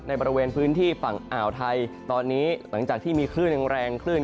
บริเวณพื้นที่ฝั่งอ่าวไทยตอนนี้หลังจากที่มีคลื่นยังแรงคลื่น